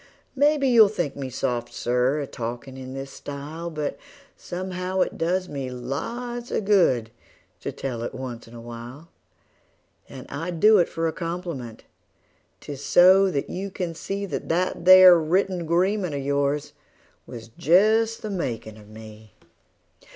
Maybe you'll think me soft, Sir, a talkin' in this style, But somehow it does me lots of good to tell it once in a while; And I do it for a compliment 'tis so that you can see That that there written agreement of yours was just the makin' of me.